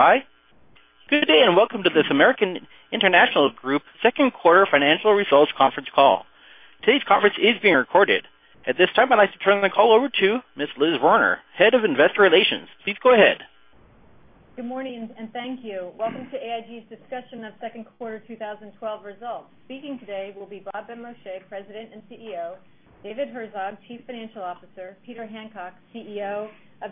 Hi. Good day, welcome to this American International Group Second Quarter Financial Results Conference call. Today's conference is being recorded. At this time, I'd like to turn the call over to Ms. Liz Werner, Head of Investor Relations. Please go ahead. Good morning, thank you. Welcome to AIG's discussion of second quarter 2012 results. Speaking today will be Bob Benmosche, President and CEO, David Herzog, Chief Financial Officer, Peter Hancock, CEO of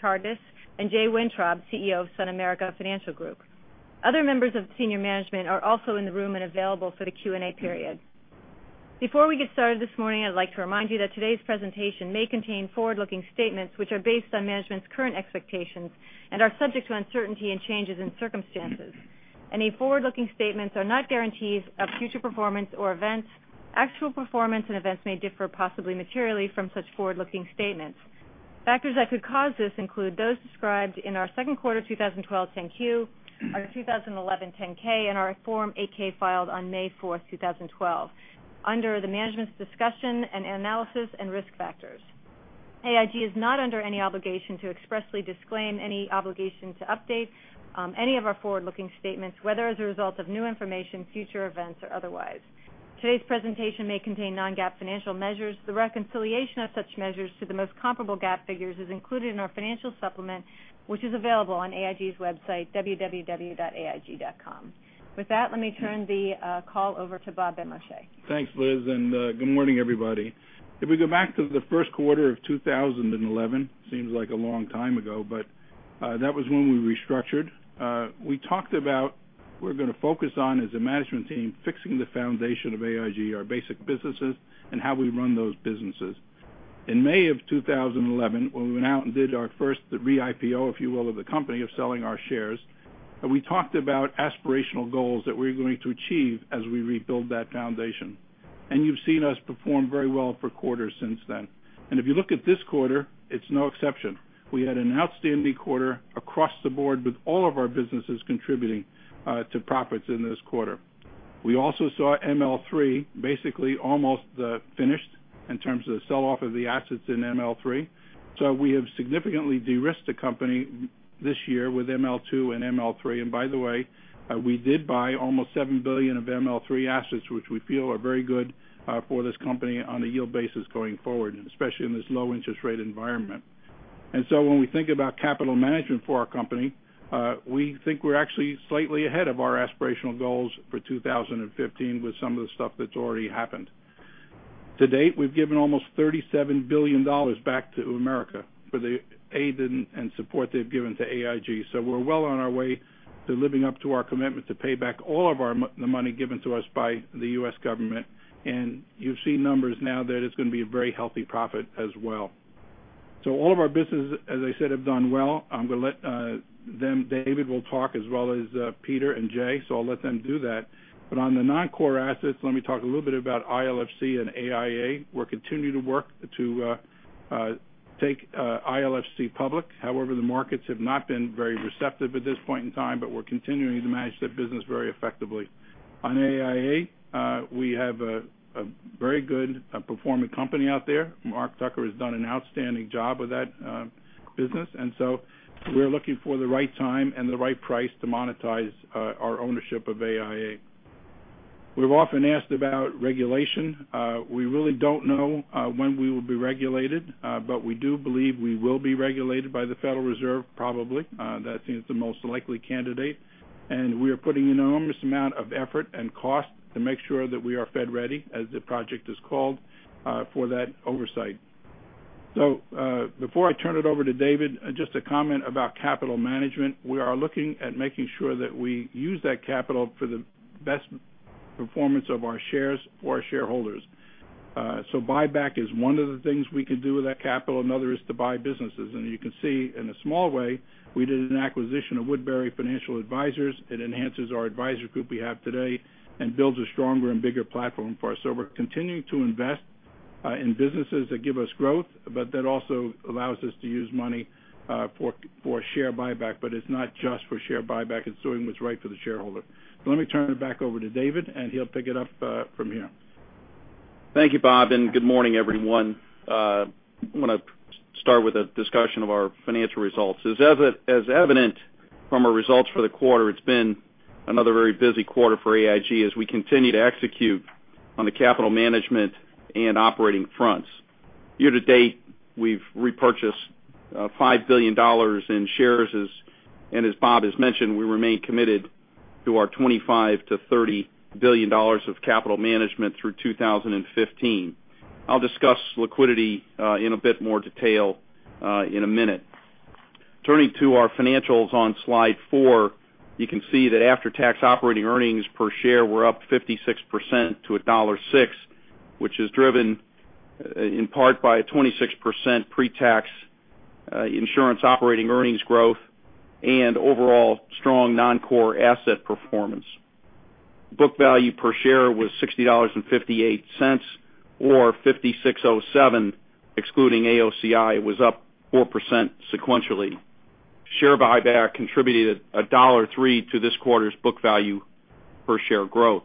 Chartis, and Jay Wintrob, CEO of SunAmerica Financial Group. Other members of senior management are also in the room and available for the Q&A period. Before we get started this morning, I'd like to remind you that today's presentation may contain forward-looking statements which are based on management's current expectations and are subject to uncertainty and changes in circumstances. Any forward-looking statements are not guarantees of future performance or events. Actual performance and events may differ, possibly materially, from such forward-looking statements. Factors that could cause this include those described in our second quarter 2012 10-Q, our 2011 10-K, and our Form 8-K filed on May 4th, 2012, under the Management's Discussion and Analysis and Risk Factors. AIG is not under any obligation to expressly disclaim any obligation to update any of our forward-looking statements, whether as a result of new information, future events, or otherwise. Today's presentation may contain non-GAAP financial measures. The reconciliation of such measures to the most comparable GAAP figures is included in our financial supplement, which is available on AIG's website, www.aig.com. With that, let me turn the call over to Bob Benmosche. Thanks, Liz, good morning, everybody. If we go back to the first quarter of 2011, seems like a long time ago, but that was when we restructured. We talked about we're going to focus on, as a management team, fixing the foundation of AIG, our basic businesses, and how we run those businesses. In May of 2011, when we went out and did our first re-IPO, if you will, of the company of selling our shares, we talked about aspirational goals that we're going to achieve as we rebuild that foundation. You've seen us perform very well for quarters since then. If you look at this quarter, it's no exception. We had an outstanding quarter across the board with all of our businesses contributing to profits in this quarter. We also saw ML3 basically almost finished in terms of the sell-off of the assets in ML3. We have significantly de-risked the company this year with ML2 and ML3. By the way, we did buy almost $7 billion of ML3 assets, which we feel are very good for this company on a yield basis going forward, especially in this low interest rate environment. When we think about capital management for our company, we think we're actually slightly ahead of our aspirational goals for 2015 with some of the stuff that's already happened. To date, we've given almost $37 billion back to America for the aid and support they've given to AIG. We're well on our way to living up to our commitment to pay back all of the money given to us by the U.S. government. You've seen numbers now that it's going to be a very healthy profit as well. All of our businesses, as I said, have done well. I'm going to let them, David will talk as well as Peter and Jay, I'll let them do that. On the non-core assets, let me talk a little bit about ILFC and AIA. We'll continue to work to take ILFC public. However, the markets have not been very receptive at this point in time, but we're continuing to manage that business very effectively. On AIA, we have a very good performing company out there. Mark Tucker has done an outstanding job with that business. We're looking for the right time and the right price to monetize our ownership of AIA. We're often asked about regulation. We really don't know when we will be regulated, but we do believe we will be regulated by the Federal Reserve, probably. That seems the most likely candidate. We are putting an enormous amount of effort and cost to make sure that we are FedReady, as the project is called, for that oversight. Before I turn it over to David, just a comment about capital management. We are looking at making sure that we use that capital for the best performance of our shares for our shareholders. Buyback is one of the things we can do with that capital. Another is to buy businesses. You can see in a small way, we did an acquisition of Woodbury Financial Advisors. It enhances our Advisor Group we have today and builds a stronger and bigger platform for us. We're continuing to invest in businesses that give us growth, but that also allows us to use money for share buyback. It's not just for share buyback, it's doing what's right for the shareholder. Let me turn it back over to David, he'll pick it up from here. Thank you, Bob, and good morning, everyone. I want to start with a discussion of our financial results. As evident from our results for the quarter, it's been another very busy quarter for AIG as we continue to execute on the capital management and operating fronts. Year to date, we've repurchased $5 billion in shares, and as Bob has mentioned, we remain committed to our $25 billion-$30 billion of capital management through 2015. I'll discuss liquidity in a bit more detail in a minute. Turning to our financials on slide four, you can see that after-tax operating earnings per share were up 56% to $1.06, which is driven in part by a 26% pre-tax insurance operating earnings growth and overall strong non-core asset performance. Book value per share was $60.58, or $56.07 excluding AOCI was up 4% sequentially. Share buyback contributed $1.03 to this quarter's book value per share growth.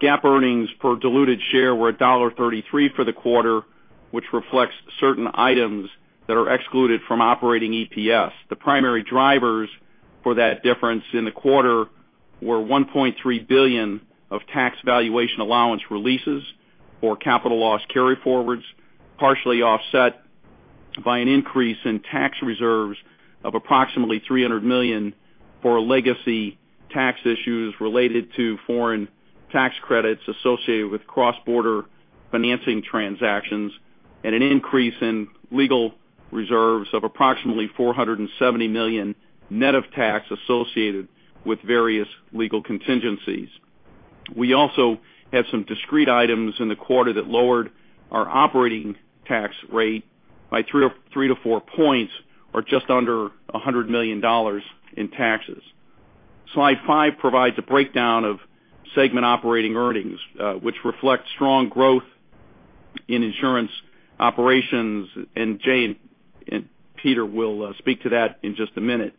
GAAP earnings per diluted share were $1.33 for the quarter, which reflects certain items that are excluded from operating EPS. The primary drivers for that difference in the quarter were $1.3 billion of tax valuation allowance releases or capital loss carryforwards, partially offset by an increase in tax reserves of approximately $300 million for legacy tax issues related to foreign tax credits associated with cross-border financing transactions and an increase in legal reserves of approximately $470 million net of tax associated with various legal contingencies. We also had some discrete items in the quarter that lowered our operating tax rate by three to four points, or just under $100 million in taxes. Slide five provides a breakdown of segment operating earnings, which reflects strong growth in insurance operations, and Jay and Peter will speak to that in just a minute.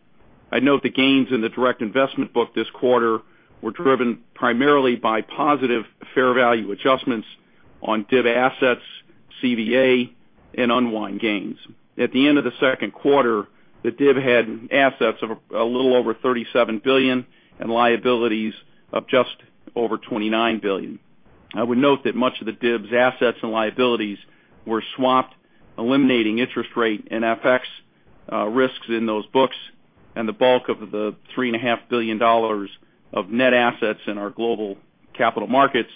I note the gains in the Direct Investment book this quarter were driven primarily by positive fair value adjustments on div assets, CVA, and unwind gains. At the end of the second quarter, the div had assets of a little over $37 billion and liabilities of just over $29 billion. I would note that much of the div's assets and liabilities were swapped, eliminating interest rate and FX risks in those books, and the bulk of the $3.5 billion of net assets in our global capital markets,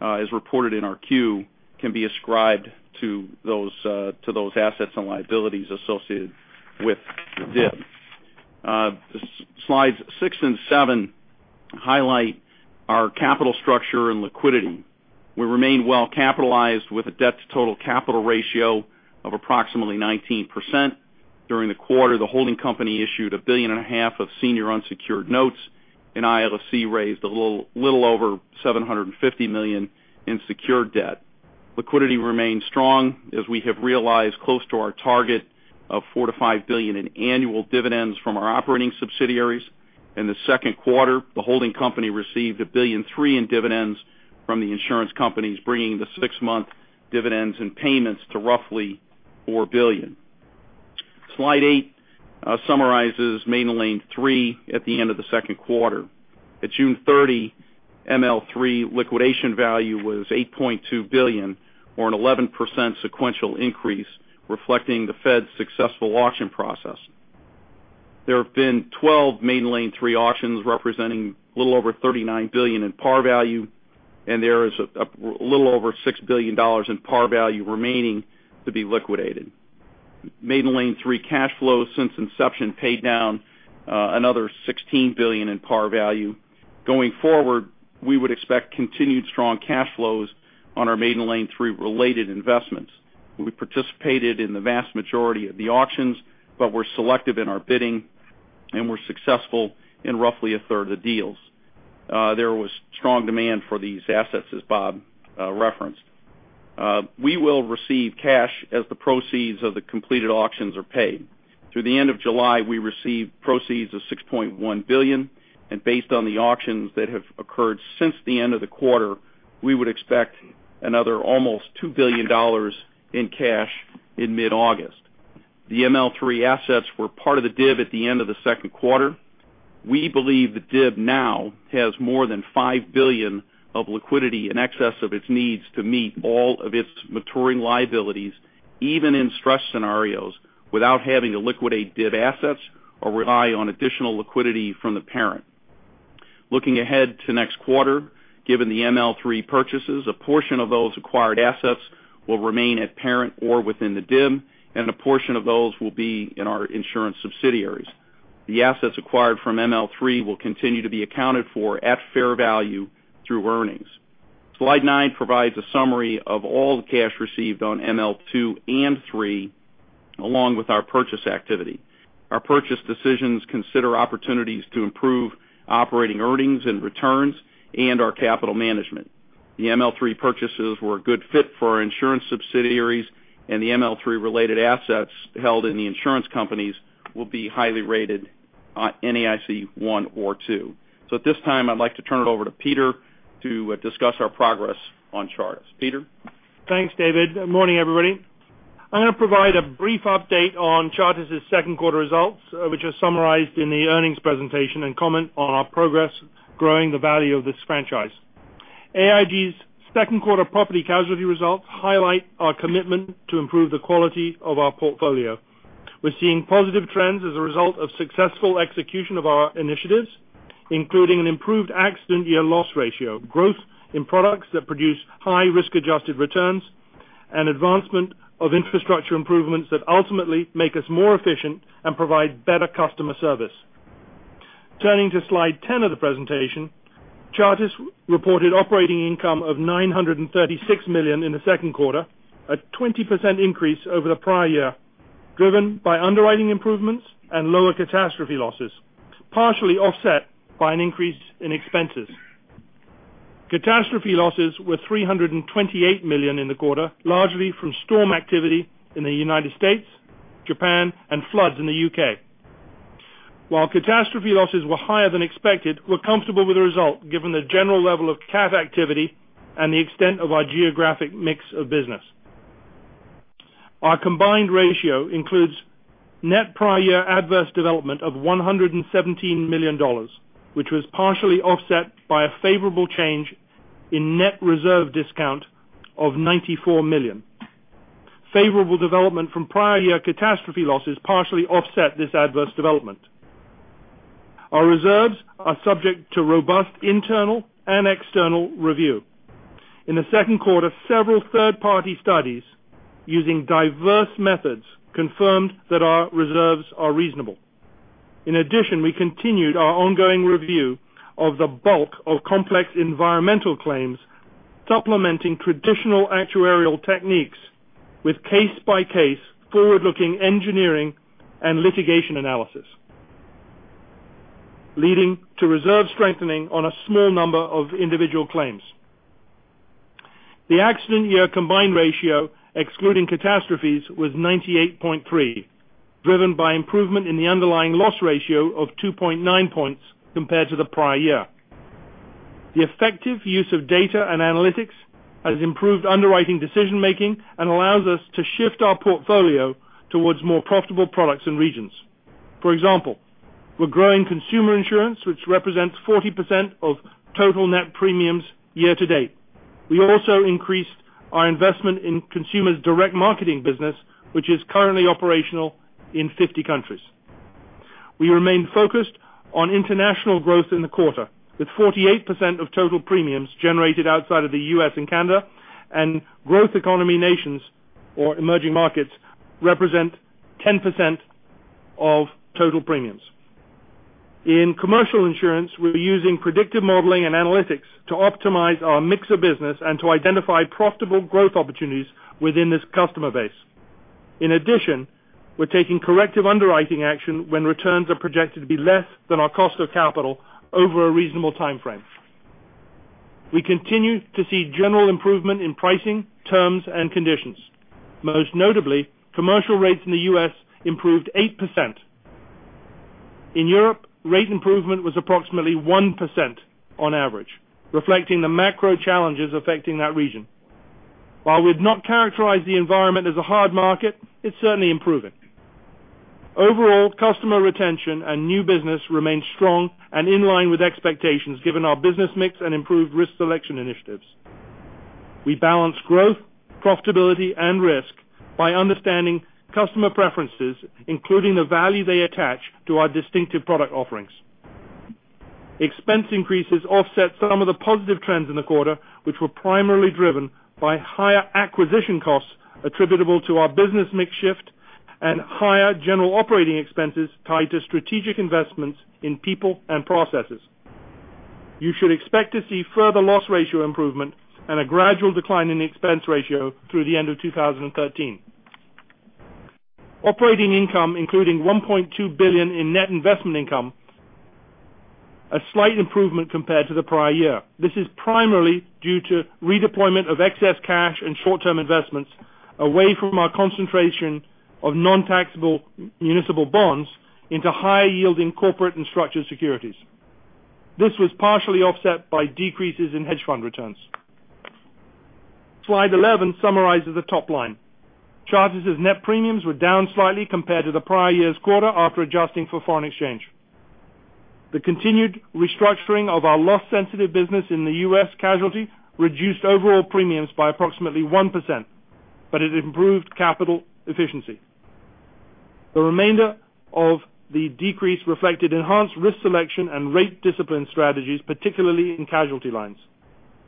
as reported in our Q, can be ascribed to those assets and liabilities associated with the div. Slides six and seven highlight our capital structure and liquidity. We remain well-capitalized with a debt-to-total capital ratio of approximately 19%. During the quarter, the holding company issued a billion and a half of senior unsecured notes, and ILFC raised a little over $750 million in secured debt. Liquidity remains strong as we have realized close to our target of $4 billion-$5 billion in annual dividends from our operating subsidiaries. In the second quarter, the holding company received $1.3 billion in dividends from the insurance companies, bringing the six-month dividends and payments to roughly $4 billion. Slide eight summarizes Maiden Lane III at the end of the second quarter. At June 30, ML3 liquidation value was $8.2 billion, or an 11% sequential increase, reflecting the Fed's successful auction process. There have been 12 Maiden Lane III auctions representing a little over $39 billion in par value, and there is a little over $6 billion in par value remaining to be liquidated. Maiden Lane III cash flows since inception paid down another $16 billion in par value. Going forward, we would expect continued strong cash flows on our Maiden Lane III-related investments. We participated in the vast majority of the auctions, but were selective in our bidding and were successful in roughly a third of the deals. There was strong demand for these assets, as Bob referenced. We will receive cash as the proceeds of the completed auctions are paid. Through the end of July, we received proceeds of $6.1 billion, and based on the auctions that have occurred since the end of the quarter, we would expect another almost $2 billion in cash in mid-August. The ML3 assets were part of the div at the end of the second quarter. We believe the div now has more than $5 billion of liquidity in excess of its needs to meet all of its maturing liabilities, even in stress scenarios, without having to liquidate div assets or rely on additional liquidity from the parent. Looking ahead to next quarter, given the ML3 purchases, a portion of those acquired assets will remain at parent or within the div, and a portion of those will be in our insurance subsidiaries. The assets acquired from ML3 will continue to be accounted for at fair value through earnings. Slide nine provides a summary of all the cash received on ML2 and ML3, along with our purchase activity. Our purchase decisions consider opportunities to improve operating earnings and returns and our capital management. The ML3 purchases were a good fit for our insurance subsidiaries, and the ML3-related assets held in the insurance companies will be highly rated on NAIC I or II. At this time, I'd like to turn it over to Peter to discuss our progress on Chartis. Peter? Thanks, David. Morning, everybody. I'm going to provide a brief update on Chartis' second quarter results, which are summarized in the earnings presentation, and comment on our progress growing the value of this franchise. AIG's second quarter property casualty results highlight our commitment to improve the quality of our portfolio. We're seeing positive trends as a result of successful execution of our initiatives, including an improved accident year-loss ratio, growth in products that produce high risk-adjusted returns, and advancement of infrastructure improvements that ultimately make us more efficient and provide better customer service. Turning to slide 10 of the presentation, Chartis reported operating income of $936 million in the second quarter, a 20% increase over the prior year Driven by underwriting improvements and lower catastrophe losses, partially offset by an increase in expenses. Catastrophe losses were $328 million in the quarter, largely from storm activity in the U.S., Japan, and floods in the U.K. While catastrophe losses were higher than expected, we're comfortable with the result given the general level of cat activity and the extent of our geographic mix of business. Our combined ratio includes net prior year adverse development of $117 million, which was partially offset by a favorable change in net reserve discount of $94 million. Favorable development from prior year catastrophe losses partially offset this adverse development. Our reserves are subject to robust internal and external review. In the second quarter, several third-party studies using diverse methods confirmed that our reserves are reasonable. In addition, we continued our ongoing review of the bulk of complex environmental claims, supplementing traditional actuarial techniques with case-by-case forward-looking engineering and litigation analysis, leading to reserve strengthening on a small number of individual claims. The accident year combined ratio, excluding catastrophes, was 98.3%, driven by improvement in the underlying loss ratio of 2.9 points compared to the prior year. The effective use of data and analytics has improved underwriting decision making and allows us to shift our portfolio towards more profitable products and regions. For example, we're growing consumer insurance, which represents 40% of total net premiums year to date. We also increased our investment in consumer's direct marketing business, which is currently operational in 50 countries. We remain focused on international growth in the quarter, with 48% of total premiums generated outside of the U.S. and Canada, and growth economy nations or emerging markets represent 10% of total premiums. In commercial insurance, we're using predictive modeling and analytics to optimize our mix of business and to identify profitable growth opportunities within this customer base. In addition, we're taking corrective underwriting action when returns are projected to be less than our cost of capital over a reasonable timeframe. We continue to see general improvement in pricing, terms, and conditions. Most notably, commercial rates in the U.S. improved 8%. In Europe, rate improvement was approximately 1% on average, reflecting the macro challenges affecting that region. While we've not characterized the environment as a hard market, it's certainly improving. Overall, customer retention and new business remains strong and in line with expectations given our business mix and improved risk selection initiatives. We balance growth, profitability, and risk by understanding customer preferences, including the value they attach to our distinctive product offerings. Expense increases offset some of the positive trends in the quarter, which were primarily driven by higher acquisition costs attributable to our business mix shift and higher general operating expenses tied to strategic investments in people and processes. You should expect to see further loss ratio improvement and a gradual decline in the expense ratio through the end of 2013. Operating income, including $1.2 billion in net investment income, a slight improvement compared to the prior year. This is primarily due to redeployment of excess cash and short-term investments away from our concentration of non-taxable municipal bonds into higher yielding corporate and structured securities. This was partially offset by decreases in hedge fund returns. Slide 11 summarizes the top line. Chartis of net premiums were down slightly compared to the prior year's quarter after adjusting for foreign exchange. The continued restructuring of our loss sensitive business in the U.S. casualty reduced overall premiums by approximately 1%, but it improved capital efficiency. The remainder of the decrease reflected enhanced risk selection and rate discipline strategies, particularly in casualty lines.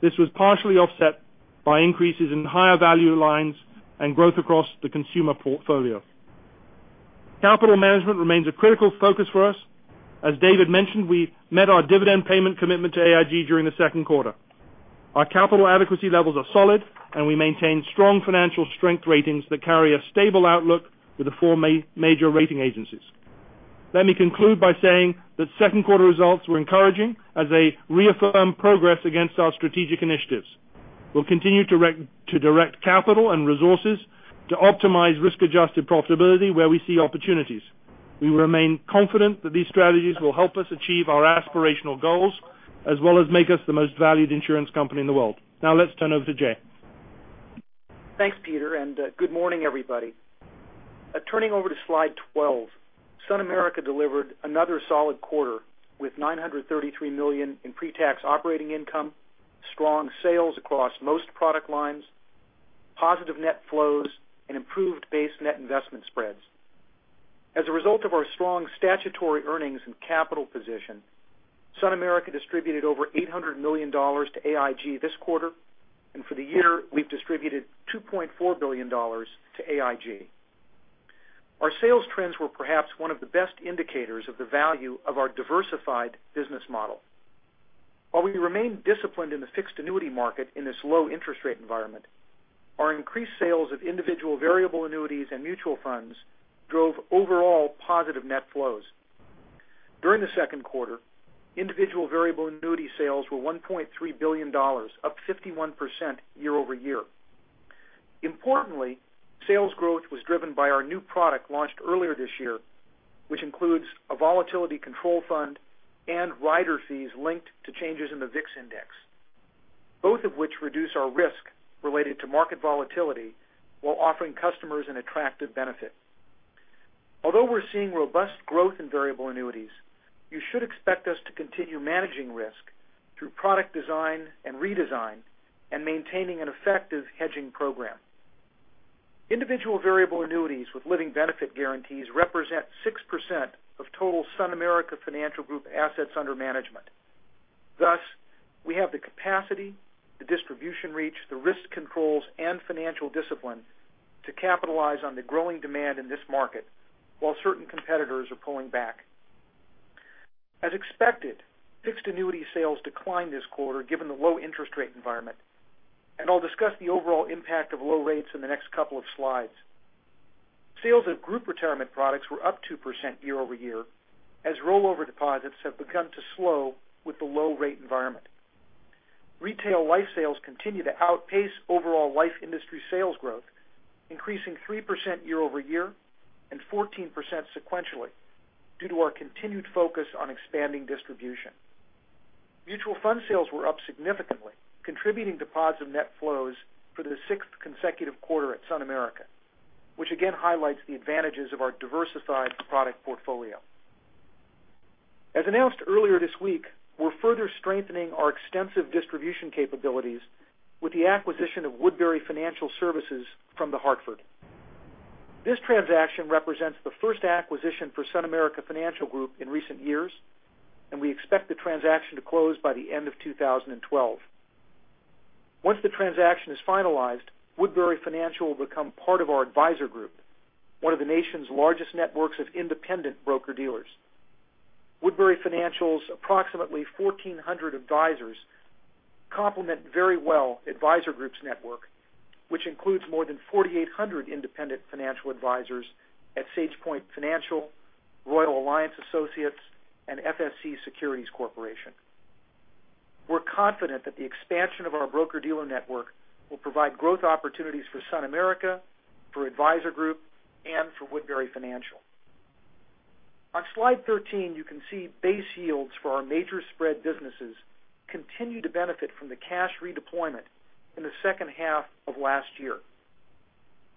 This was partially offset by increases in higher value lines and growth across the consumer portfolio. Capital management remains a critical focus for us. As David mentioned, we met our dividend payment commitment to AIG during the second quarter. Our capital adequacy levels are solid, and we maintain strong financial strength ratings that carry a stable outlook with the four major rating agencies. Let me conclude by saying that second quarter results were encouraging as they reaffirm progress against our strategic initiatives. We'll continue to direct capital and resources to optimize risk-adjusted profitability where we see opportunities. We remain confident that these strategies will help us achieve our aspirational goals, as well as make us the most valued insurance company in the world. Now let's turn over to Jay. Thanks, Peter. Good morning, everybody. Turning over to slide 12. SunAmerica delivered another solid quarter with $933 million in pre-tax operating income, strong sales across most product lines, positive net flows, and improved base net investment spreads. As a result of our strong statutory earnings and capital position, SunAmerica distributed over $800 million to AIG this quarter, and for the year, we've distributed $2.4 billion to AIG. Our sales trends were perhaps one of the best indicators of the value of our diversified business model. While we remain disciplined in the fixed annuity market in this low interest rate environment, our increased sales of individual variable annuities and mutual funds drove overall positive net flows. During the second quarter, individual variable annuity sales were $1.3 billion, up 51% year-over-year. Importantly, sales growth was driven by our new product launched earlier this year, which includes a volatility control fund and rider fees linked to changes in the VIX index, both of which reduce our risk related to market volatility while offering customers an attractive benefit. Although we're seeing robust growth in variable annuities, you should expect us to continue managing risk through product design and redesign and maintaining an effective hedging program. Individual variable annuities with living benefit guarantees represent 6% of total SunAmerica Financial Group assets under management. Thus, we have the capacity, the distribution reach, the risk controls, and financial discipline to capitalize on the growing demand in this market while certain competitors are pulling back. As expected, fixed annuity sales declined this quarter, given the low interest rate environment, and I'll discuss the overall impact of low rates in the next couple of slides. Sales of group retirement products were up 2% year-over-year, as rollover deposits have begun to slow with the low rate environment. Retail life sales continue to outpace overall life industry sales growth, increasing 3% year-over-year and 14% sequentially due to our continued focus on expanding distribution. Mutual fund sales were up significantly, contributing to positive net flows for the sixth consecutive quarter at SunAmerica, which again highlights the advantages of our diversified product portfolio. As announced earlier this week, we're further strengthening our extensive distribution capabilities with the acquisition of Woodbury Financial Services from The Hartford. This transaction represents the first acquisition for SunAmerica Financial Group in recent years, and we expect the transaction to close by the end of 2012. Once the transaction is finalized, Woodbury Financial will become part of our Advisor Group, one of the nation's largest networks of independent broker-dealers. Woodbury Financial's approximately 1,400 advisors complement very well Advisor Group's network, which includes more than 4,800 independent financial advisors at SagePoint Financial, Royal Alliance Associates, and FSC Securities Corporation. We're confident that the expansion of our broker-dealer network will provide growth opportunities for SunAmerica, for Advisor Group, and for Woodbury Financial. On slide 13, you can see base yields for our major spread businesses continue to benefit from the cash redeployment in the second half of last year.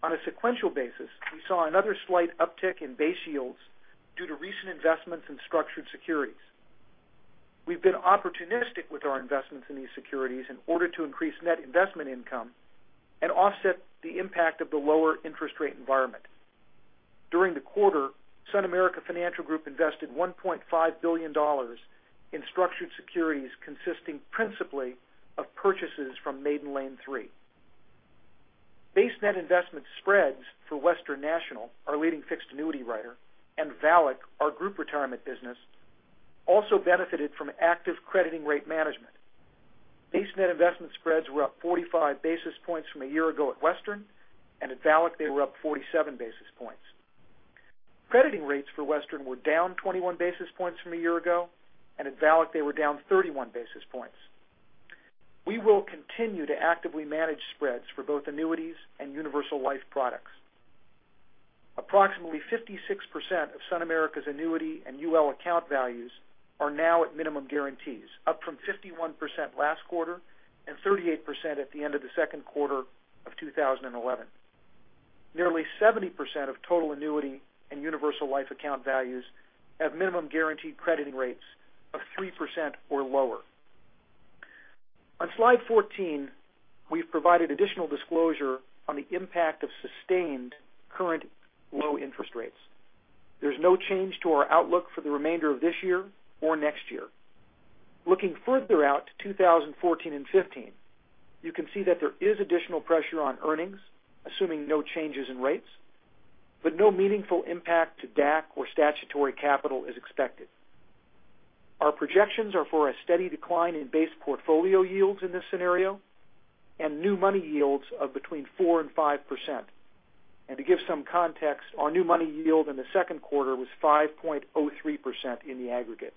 On a sequential basis, we saw another slight uptick in base yields due to recent investments in structured securities. We've been opportunistic with our investments in these securities in order to increase net investment income and offset the impact of the lower interest rate environment. During the quarter, SunAmerica Financial Group invested $1.5 billion in structured securities, consisting principally of purchases from Maiden Lane III. Base net investment spreads for Western National, our leading fixed annuity writer, and VALIC, our group retirement business, also benefited from active crediting rate management. Base net investment spreads were up 45 basis points from a year ago at Western, and at VALIC, they were up 47 basis points. Crediting rates for Western were down 21 basis points from a year ago, and at VALIC, they were down 31 basis points. We will continue to actively manage spreads for both annuities and universal life products. Approximately 56% of SunAmerica's annuity and UL account values are now at minimum guarantees, up from 51% last quarter and 38% at the end of the second quarter of 2011. Nearly 70% of total annuity and universal life account values have minimum guaranteed crediting rates of 3% or lower. On slide 14, we've provided additional disclosure on the impact of sustained current low interest rates. There's no change to our outlook for the remainder of this year or next year. Looking further out to 2014 and 2015, you can see that there is additional pressure on earnings, assuming no changes in rates, but no meaningful impact to DAC or statutory capital is expected. Our projections are for a steady decline in base portfolio yields in this scenario and new money yields of between 4% and 5%. To give some context, our new money yield in the second quarter was 5.03% in the aggregate.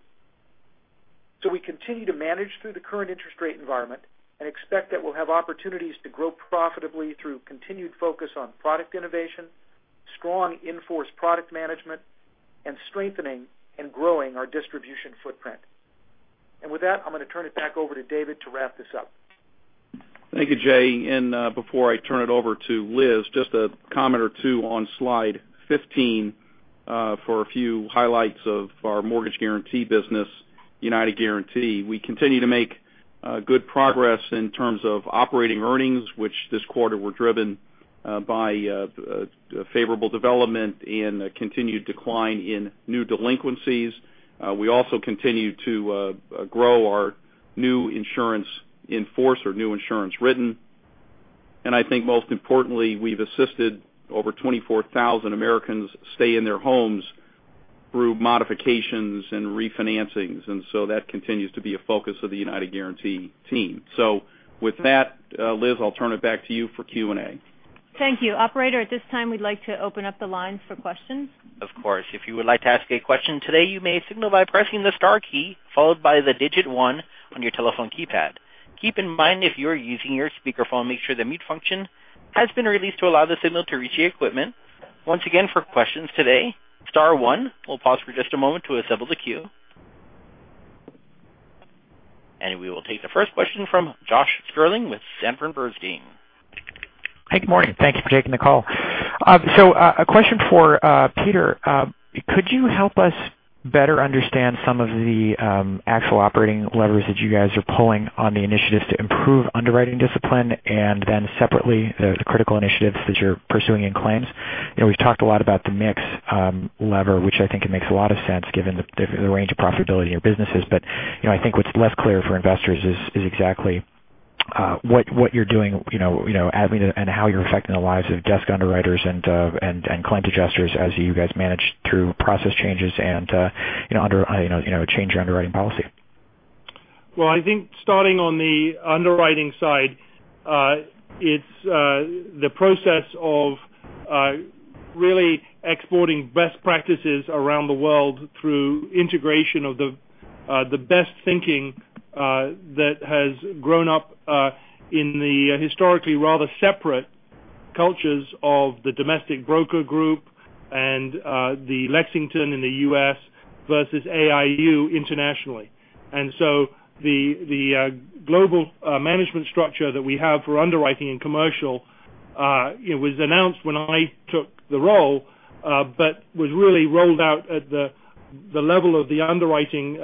We continue to manage through the current interest rate environment and expect that we'll have opportunities to grow profitably through continued focus on product innovation, strong in-force product management, and strengthening and growing our distribution footprint. With that, I'm going to turn it back over to David to wrap this up. Thank you, Jay. Before I turn it over to Liz, just a comment or two on slide 15 for a few highlights of our mortgage guarantee business, United Guaranty. We continue to make good progress in terms of operating earnings, which this quarter were driven by favorable development and a continued decline in new delinquencies. We also continue to grow our new insurance in force or new insurance written. I think most importantly, we've assisted over 24,000 Americans stay in their homes through modifications and refinancings. That continues to be a focus of the United Guaranty team. With that, Liz, I'll turn it back to you for Q&A. Thank you. Operator, at this time, we'd like to open up the line for questions. Of course. If you would like to ask a question today, you may signal by pressing the star key, followed by the digit one on your telephone keypad. Keep in mind if you are using your speakerphone, make sure the mute function has been released to allow the signal to reach the equipment. Once again, for questions today, star one. We'll pause for just a moment to assemble the queue. We will take the first question from Josh Stirling with Sanford Bernstein. Hey, good morning. Thank you for taking the call. A question for Peter. Could you help us better understand some of the actual operating levers that you guys are pulling on the initiatives to improve underwriting discipline, and then separately, the critical initiatives that you're pursuing in claims? We've talked a lot about the mix lever, which I think it makes a lot of sense given the range of profitability in your businesses. I think what's less clear for investors is exactly what you're doing and how you're affecting the lives of desk underwriters and claim adjusters as you guys manage through process changes and change your underwriting policy. I think starting on the underwriting side, it's the process of really exporting best practices around the world through integration of the best thinking that has grown up in the historically rather separate cultures of the domestic broker group and the Lexington in the U.S. versus AIU internationally. The global management structure that we have for underwriting and commercial, it was announced when I took the role, but was really rolled out at the level of the underwriting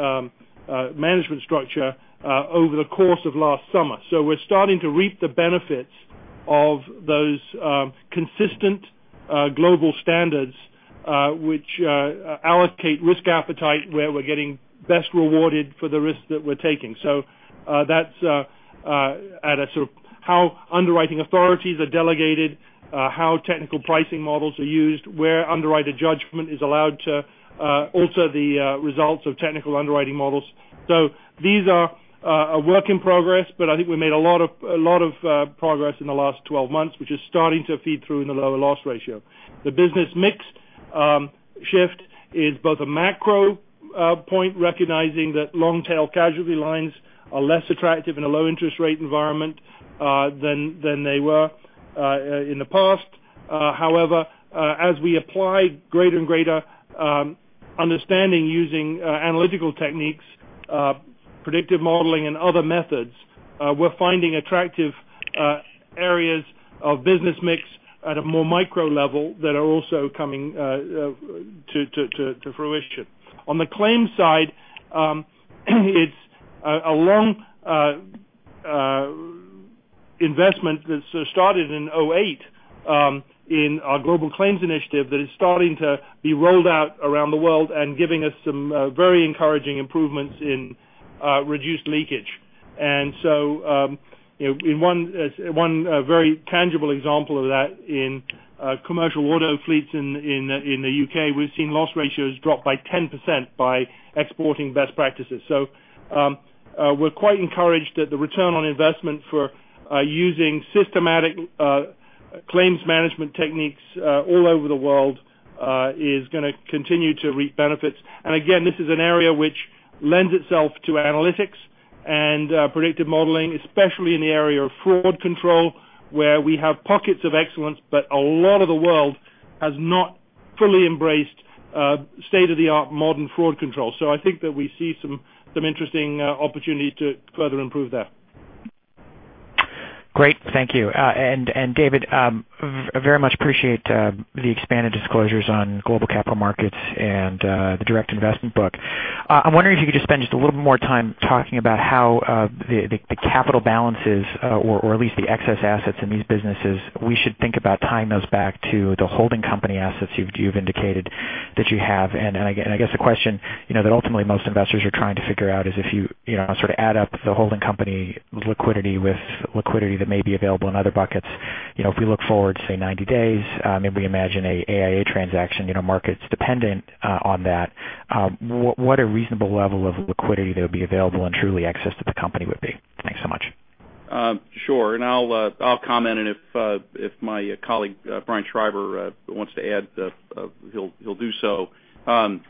management structure over the course of last summer. We're starting to reap the benefits of those consistent global standards, which allocate risk appetite, where we're getting best rewarded for the risks that we're taking. That's at a sort of how underwriting authorities are delegated, how technical pricing models are used, where underwriter judgment is allowed to alter the results of technical underwriting models. These are a work in progress, but I think we made a lot of progress in the last 12 months, which is starting to feed through in the lower loss ratio. The business mix shift is both a macro point, recognizing that long-tail casualty lines are less attractive in a low interest rate environment than they were in the past. However, as we apply greater and greater understanding using analytical techniques, predictive modeling, and other methods, we're finding attractive areas of business mix at a more micro level that are also coming to fruition. On the claims side, it's a long investment that started in 2008 in our global claims initiative that is starting to be rolled out around the world and giving us some very encouraging improvements in reduced leakage. In one very tangible example of that in commercial auto fleets in the U.K., we've seen loss ratios drop by 10% by exporting best practices. We're quite encouraged that the return on investment for using systematic claims management techniques all over the world is going to continue to reap benefits. This is an area which lends itself to analytics and predictive modeling, especially in the area of fraud control, where we have pockets of excellence, but a lot of the world has not fully embraced state-of-the-art modern fraud control. I think that we see some interesting opportunity to further improve there. Great. Thank you, David. I'm very much appreciate the expanded disclosures on Global Capital Markets and the Direct Investment book. I'm wondering if you could just spend just a little more time talking about how the capital balances, or at least the excess assets in these businesses, we should think about tying those back to the holding company assets you've indicated that you have. I guess the question that ultimately most investors are trying to figure out is if you sort of add up the holding company liquidity with liquidity that may be available in other buckets. If we look forward, say, 90 days, maybe imagine a AIA transaction, markets dependent on that, what a reasonable level of liquidity that would be available and truly access to the company would be. Thanks so much. Sure. I'll comment, and if my colleague, Brian Schreiber, wants to add, he'll do so. I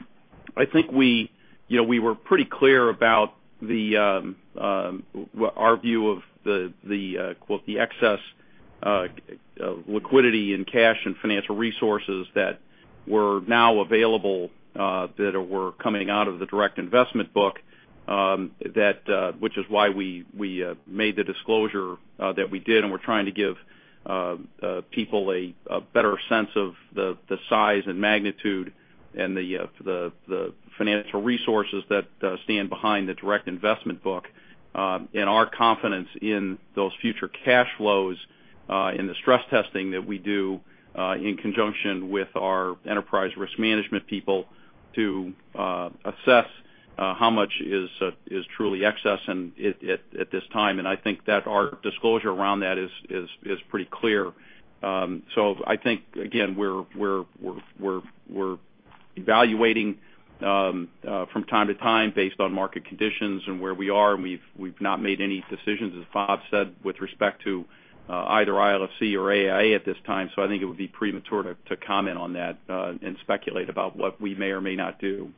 think we were pretty clear about our view of the excess liquidity in cash and financial resources that were now available that were coming out of the Direct Investment book, which is why we made the disclosure that we did, and we're trying to give people a better sense of the size and magnitude and the financial resources that stand behind the Direct Investment book and our confidence in those future cash flows in the stress testing that we do in conjunction with our enterprise risk management people to assess how much is truly excess at this time? I think that our disclosure around that is pretty clear. I think, again, we're evaluating from time to time based on market conditions and where we are, and we've not made any decisions, as Bob said, with respect to either ILFC or AIA at this time. I think it would be premature to comment on that and speculate about what we may or may not do.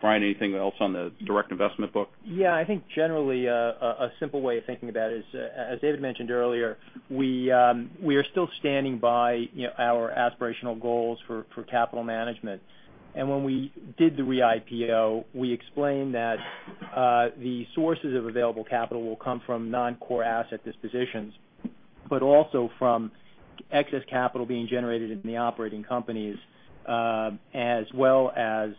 Brian, anything else on the Direct Investment book? Yeah, I think generally, a simple way of thinking about it is, as David mentioned earlier, we are still standing by our aspirational goals for capital management. When we did the re-IPO, we explained that the sources of available capital will come from non-core asset dispositions, but also from excess capital being generated in the operating companies, as well as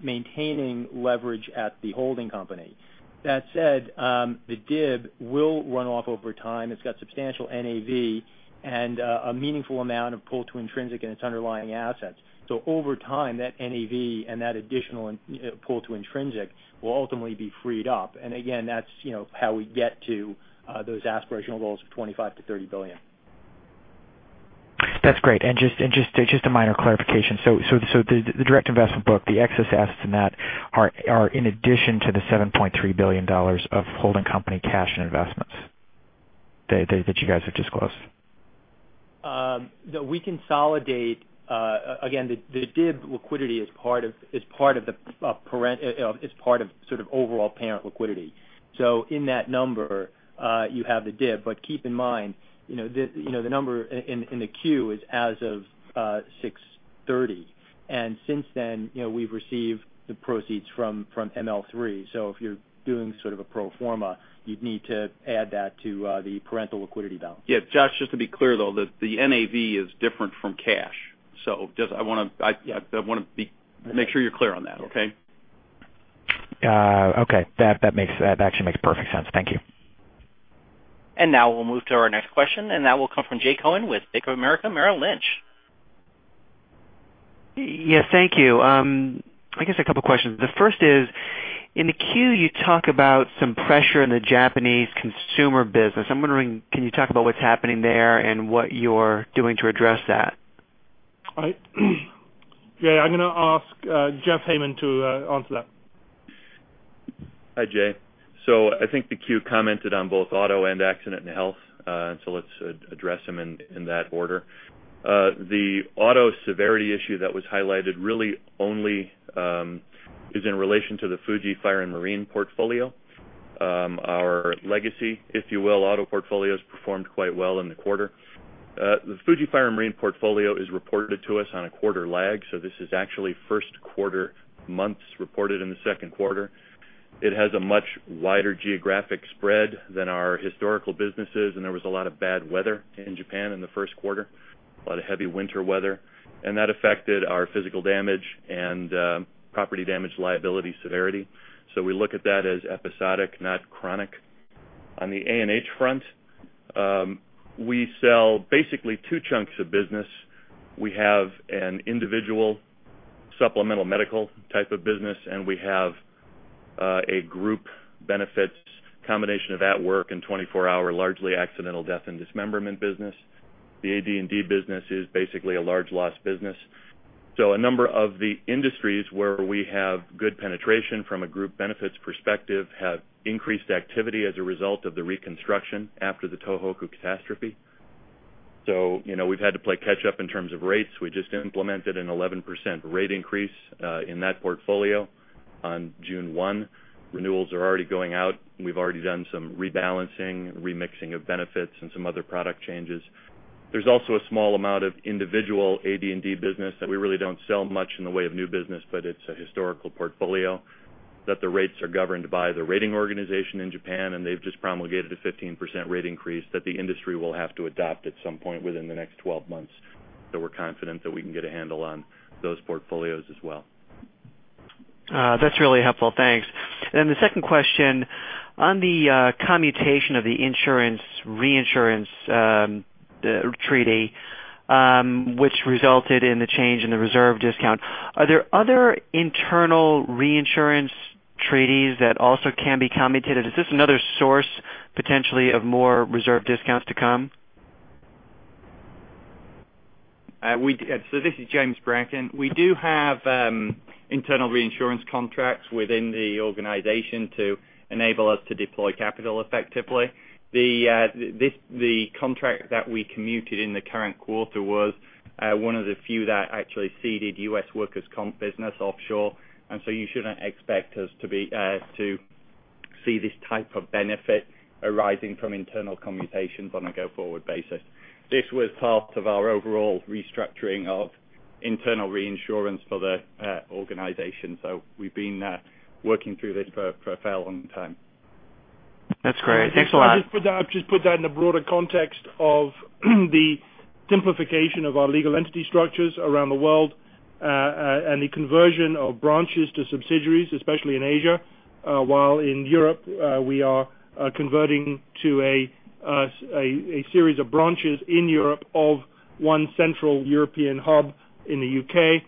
maintaining leverage at the holding company. That said, the DIB will run off over time. It's got substantial NAV and a meaningful amount of pull-to-intrinsic in its underlying assets. Over time, that NAV and that additional pull to intrinsic will ultimately be freed up. Again, that's how we get to those aspirational goals of $25 billion-$30 billion. Just a minor clarification. The Direct Investment book, the excess assets in that are in addition to the $7.3 billion of holding company cash and investments that you guys have disclosed. No, we consolidate. Again, the DIB liquidity is part of sort of overall parent liquidity. In that number, you have the DIB. Keep in mind, the number in the Q is as of 6/30. Since then, we've received the proceeds from ML3. If you're doing sort of a pro forma, you'd need to add that to the parental liquidity balance. Yeah. Josh, just to be clear, though, the NAV is different from cash. I want to make sure you're clear on that, okay? Okay. That actually makes perfect sense. Thank you. Now we'll move to our next question, and that will come from Jay Cohen with Bank of America Merrill Lynch. Yes, thank you. I guess a couple of questions. The first is, in the Q, you talk about some pressure in the Japanese consumer business. I'm wondering, can you talk about what's happening there and what you're doing to address that? I'm going to ask Jeff Hayman to answer that. Hi, Jay. I think the Q commented on both auto and accident and health, so let's address them in that order. The auto severity issue that was highlighted really only is in relation to the Fuji Fire and Marine portfolio. Our legacy, if you will, auto portfolio has performed quite well in the quarter. The Fuji Fire and Marine portfolio is reported to us on a quarter lag, so this is actually first quarter months reported in the second quarter. It has a much wider geographic spread than our historical businesses, and there was a lot of bad weather in Japan in the first quarter, a lot of heavy winter weather, and that affected our physical damage and property damage liability severity. We look at that as episodic, not chronic. On the A&H front, we sell basically two chunks of business. We have an individual supplemental medical type of business, and we have a group benefits combination of at-work and 24-hour, largely accidental death and dismemberment business. The AD&D business is basically a large loss business. A number of the industries where we have good penetration from a group benefits perspective have increased activity as a result of the reconstruction after the Tohoku catastrophe. We've had to play catch up in terms of rates. We just implemented an 11% rate increase in that portfolio on June 1. Renewals are already going out. We've already done some rebalancing, remixing of benefits, and some other product changes. There's also a small amount of individual AD&D business that we really don't sell much in the way of new business, but it's a historical portfolio that the rates are governed by the rating organization in Japan, and they've just promulgated a 15% rate increase that the industry will have to adopt at some point within the next 12 months. We're confident that we can get a handle on those portfolios as well. That's really helpful. Thanks. The second question, on the commutation of the insurance reinsurance treaty which resulted in the change in the reserve discount, are there other internal reinsurance treaties that also can be commutated? Is this another source, potentially, of more reserve discounts to come? This is James Bracken. We do have internal reinsurance contracts within the organization to enable us to deploy capital effectively. The contract that we commuted in the current quarter was one of the few that actually ceded U.S. workers' comp business offshore, you shouldn't expect us to see this type of benefit arising from internal commutations on a go-forward basis. This was part of our overall restructuring of internal reinsurance for the organization. We've been working through this for a fair long time. That's great. Thanks a lot. I'd just put that in the broader context of the simplification of our legal entity structures around the world, and the conversion of branches to subsidiaries, especially in Asia, while in Europe, we are converting to a series of branches in Europe of one central European hub in the U.K.,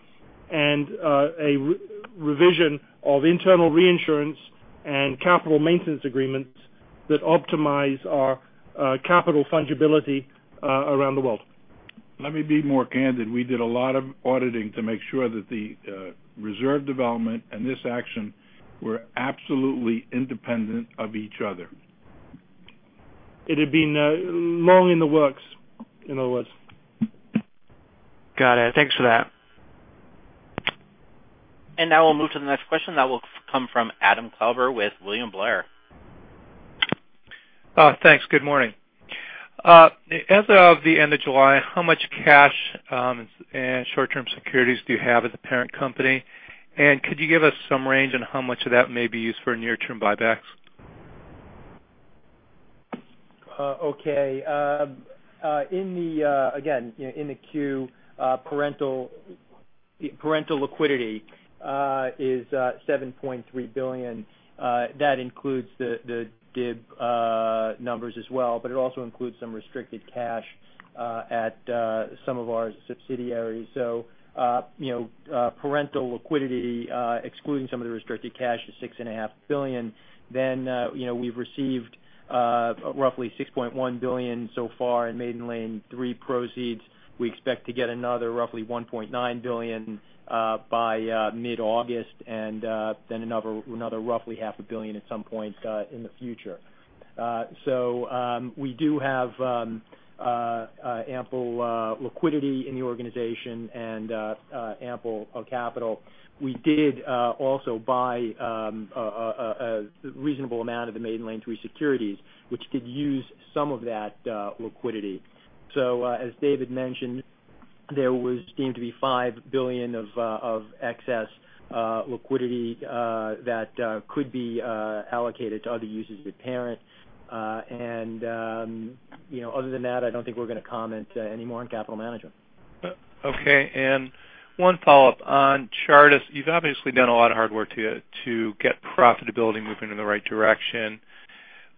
and a revision of internal reinsurance and capital maintenance agreements That optimize our capital fungibility around the world. Let me be more candid. We did a lot of auditing to make sure that the reserve development and this action were absolutely independent of each other. It had been long in the works, in other words. Got it. Thanks for that. Now we'll move to the next question that will come from Adam Klauber with William Blair. Thanks. Good morning. As of the end of July, how much cash and short-term securities do you have as a parent company? Could you give us some range on how much of that may be used for near-term buybacks? Okay. Again, in the queue, parental liquidity is $7.3 billion. That includes the DIB numbers as well, but it also includes some restricted cash at some of our subsidiaries. Parental liquidity, excluding some of the restricted cash, is $6.5 billion. We've received roughly $6.1 billion so far in Maiden Lane III proceeds. We expect to get another roughly $1.9 billion by mid-August and then another roughly half a billion at some point in the future. We do have ample liquidity in the organization and ample capital. We did also buy a reasonable amount of the Maiden Lane III securities, which could use some of that liquidity. As David mentioned, there was deemed to be $5 billion of excess liquidity that could be allocated to other uses with parent. Other than that, I don't think we're going to comment any more on capital management. Okay. One follow-up on Chartis. You've obviously done a lot of hard work to get profitability moving in the right direction.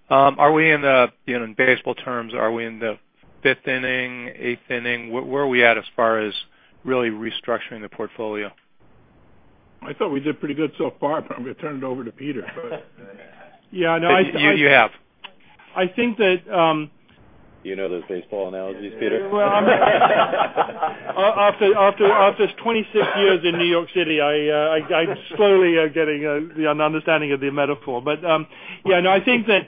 In baseball terms, are we in the fifth inning, eighth inning? Where are we at as far as really restructuring the portfolio? I thought we did pretty good so far, but I'm going to turn it over to Peter. Yeah, no. You have. I think that- You know those baseball analogies, Peter? Well, after 26 years in New York City, I'm slowly getting an understanding of the metaphor. Yeah, no, I think that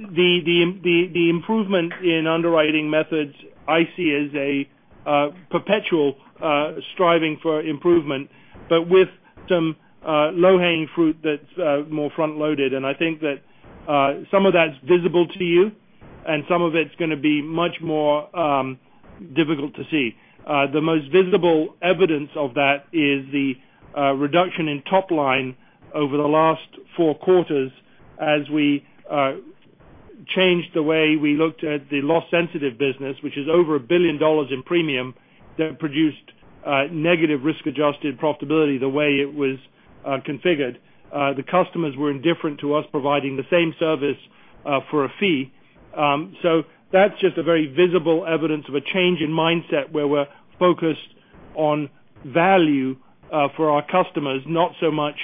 the improvement in underwriting methods I see as a perpetual striving for improvement, but with some low-hanging fruit that's more front-loaded. I think that some of that's visible to you and some of it's going to be much more difficult to see. The most visible evidence of that is the reduction in top line over the last four quarters as we changed the way we looked at the loss-sensitive business, which is over $1 billion in premium that produced negative risk-adjusted profitability the way it was configured. The customers were indifferent to us providing the same service for a fee. That's just a very visible evidence of a change in mindset where we're focused on value for our customers, not so much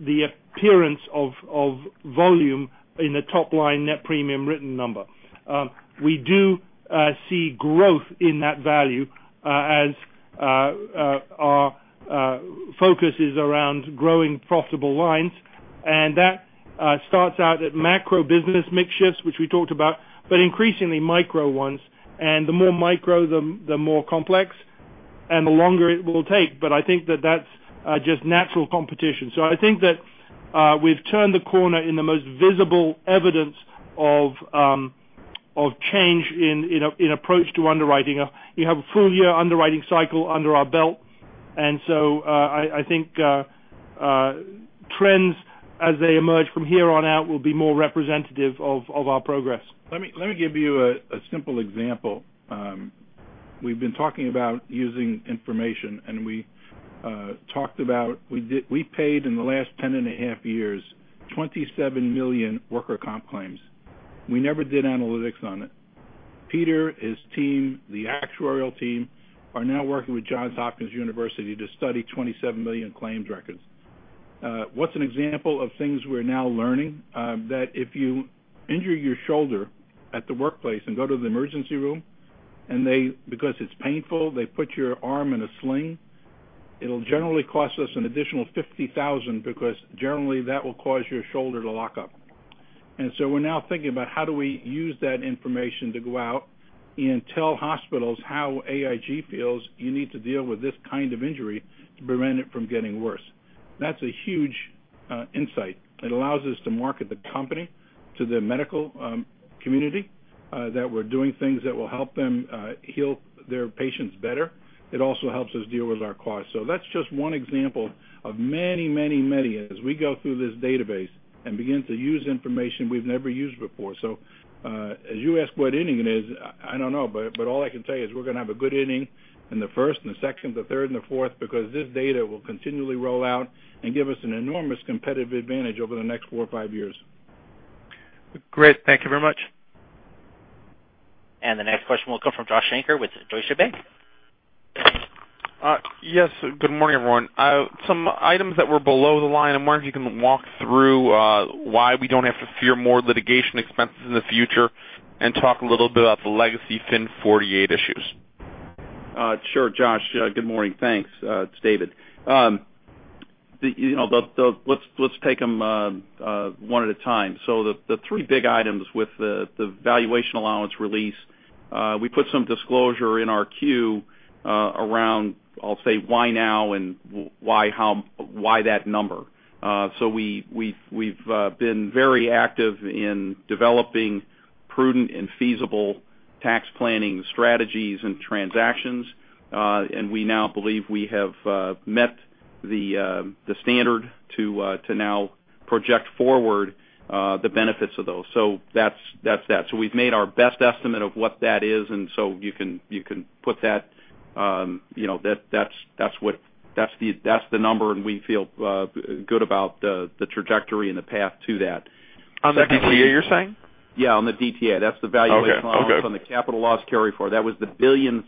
the appearance of volume in a top-line net premium written number. We do see growth in that value as our focus is around growing profitable lines. That starts out at macro business mix shifts, which we talked about, but increasingly micro ones. The more micro, the more complex and the longer it will take. I think that that's just natural competition. I think that we've turned the corner in the most visible evidence of change in approach to underwriting. We have a full year underwriting cycle under our belt, I think trends as they emerge from here on out will be more representative of our progress. Let me give you a simple example. We've been talking about using information, we talked about we paid in the last 10.5 years, 27 million worker comp claims. We never did analytics on it. Peter, his team, the actuarial team, are now working with Johns Hopkins University to study 27 million claims records. What's an example of things we're now learning? That if you injure your shoulder at the workplace and go to the emergency room, they, because it's painful, they put your arm in a sling, it'll generally cost us an additional $50,000 because generally that will cause your shoulder to lock up. We're now thinking about how do we use that information to go out and tell hospitals how AIG feels you need to deal with this kind of injury to prevent it from getting worse. That's a huge insight. It allows us to market the company to the medical community, that we're doing things that will help them heal their patients better. It also helps us deal with our costs. That's just one example of many, many, many as we go through this database and begin to use information we've never used before. As you ask what inning it is, I don't know, but all I can tell you is we're going to have a good inning in the first, in the second, the third and the fourth, because this data will continually roll out and give us an enormous competitive advantage over the next four or five years. Great. Thank you very much. The next question will come from Josh Shanker with Deutsche Bank. Yes. Good morning, everyone. Some items that were below the line, I'm wondering if you can walk through why we don't have to fear more litigation expenses in the future and talk a little bit about the legacy FIN 48 issues. Sure, Josh. Good morning. Thanks. It's David. Let's take them one at a time. The three big items with the valuation allowance release, we put some disclosure in our Q around, I'll say, why now and why that number. We've been very active in developing prudent and feasible tax planning strategies and transactions. We now believe we have met the standard to now project forward the benefits of those. That's that. We've made our best estimate of what that is, and so you can put that. That's the number, and we feel good about the trajectory and the path to that. On the DTA, you're saying? On the DTA. That's the valuation. Okay allowance on the capital loss carry-forward. That was the $3 billion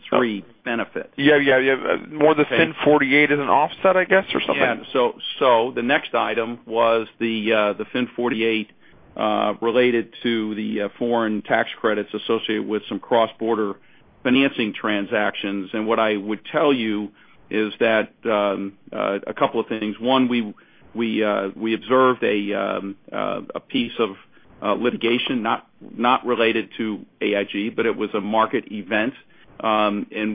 benefit. More the FIN 48 as an offset, I guess, or something? The next item was the FIN 48 related to the foreign tax credits associated with some cross-border financing transactions. What I would tell you is that, a couple of things. One, we observed a piece of litigation not related to AIG, but it was a market event.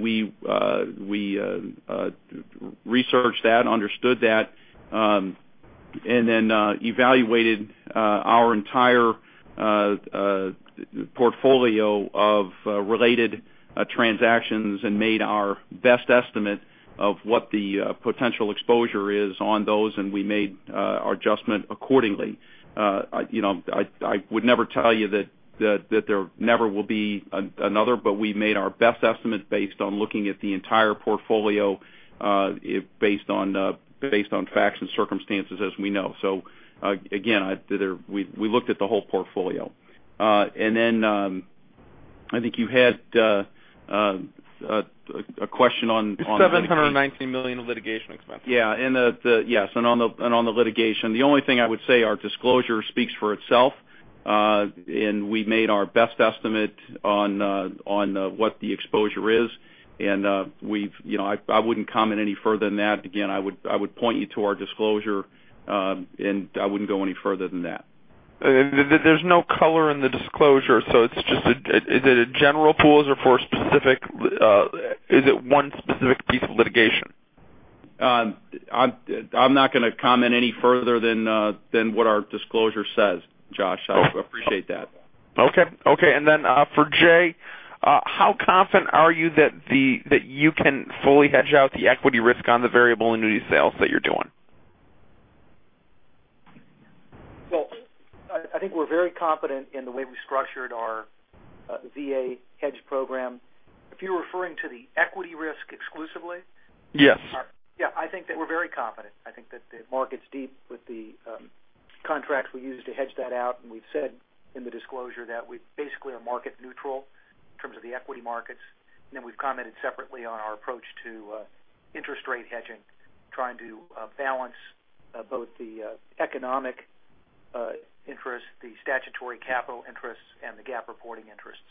We researched that, understood that, and then evaluated our entire portfolio of related transactions and made our best estimate of what the potential exposure is on those, and we made our adjustment accordingly. I would never tell you that there never will be another, but we made our best estimate based on looking at the entire portfolio, based on facts and circumstances as we know. Again, we looked at the whole portfolio. Then, I think you had a question on- $719 million in litigation expenses. Yeah. On the litigation, the only thing I would say, our disclosure speaks for itself. We made our best estimate on what the exposure is. I wouldn't comment any further than that. Again, I would point you to our disclosure, I wouldn't go any further than that. There's no color in the disclosure. Is it a general pool or for a specific, is it one specific piece of litigation? I'm not going to comment any further than what our disclosure says, Josh. I appreciate that. Okay. Then for Jay, how confident are you that you can fully hedge out the equity risk on the variable annuity sales that you're doing? Well, I think we're very confident in the way we structured our VA hedge program. If you're referring to the equity risk exclusively? Yes. Yeah, I think that we're very confident. I think that the market's deep with the contracts we use to hedge that out, and we've said in the disclosure that we basically are market neutral in terms of the equity markets. Then we've commented separately on our approach to interest rate hedging, trying to balance both the economic interests, the statutory capital interests, and the GAAP reporting interests.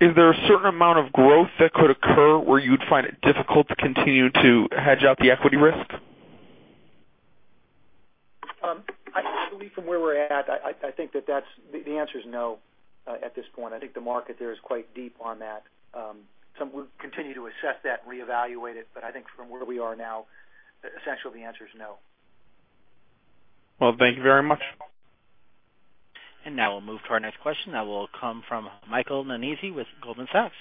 Is there a certain amount of growth that could occur where you'd find it difficult to continue to hedge out the equity risk? I believe from where we're at, I think that the answer is no at this point. I think the market there is quite deep on that. We'll continue to assess that and reevaluate it. I think from where we are now, essentially, the answer is no. Well, thank you very much. Now we'll move to our next question. That will come from Michael Nannizzi with Goldman Sachs.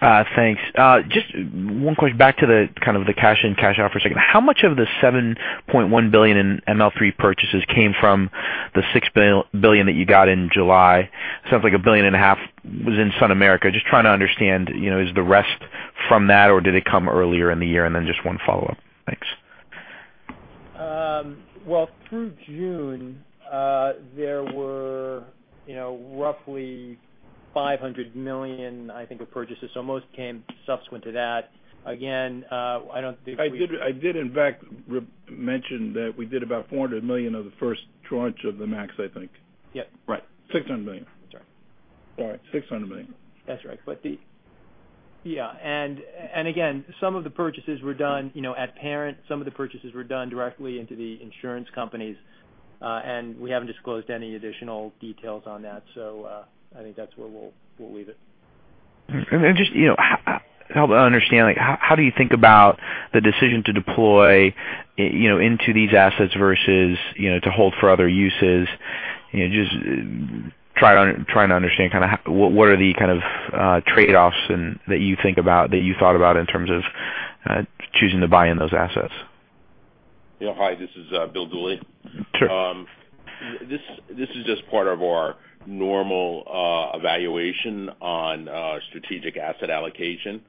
Thanks. Just one question back to the kind of the cash in, cash out for a second. How much of the $7.1 billion in ML3 purchases came from the $6 billion that you got in July? It sounds like a billion and a half was in SunAmerica. Just trying to understand, is the rest from that, or did it come earlier in the year? Then just one follow-up. Thanks. Through June, there were roughly $500 million, I think, of purchases. Most came subsequent to that. Again, I don't think. I did, in fact, mention that we did about $400 million of the first tranche of the max, I think. Yep. Right. $600 million. Sorry. $600 million. Yeah. Again, some of the purchases were done at parent, some of the purchases were done directly into the insurance companies. We haven't disclosed any additional details on that. I think that's where we'll leave it. Just to help understand, how do you think about the decision to deploy into these assets versus to hold for other uses? Just trying to understand kind of what are the kind of trade-offs that you think about, that you thought about in terms of choosing to buy in those assets? Yeah. Hi, this is William Dooley. Sure. This is just part of our normal evaluation on strategic asset allocation